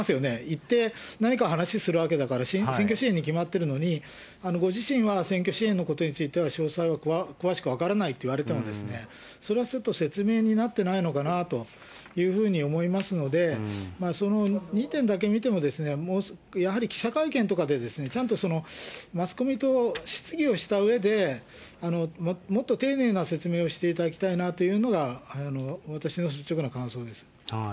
行って何か話するわけだから、選挙支援に決まってるのに、ご自身は選挙支援のことについては詳細は詳しく分からないと言われてもですね、それはちょっと説明になってないのかなというふうに思いますので、その２点だけ見ても、やはり記者会見とかでちゃんと、マスコミと質疑をしたうえで、もっと丁寧な説明をしていただきたいなというのが、私の率直な感想です。